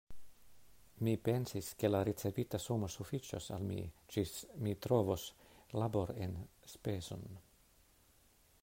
Mi pensis, ke la ricevita sumo sufiĉos al mi, ĝis mi trovos laborenspezon.